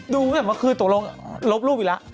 ดูเหมือนคือตรงลงลบรูปอีกละ